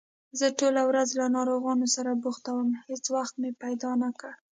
زه ټوله ورځ له ناروغانو سره بوخت وم، هېڅ وخت مې پیدا نکړ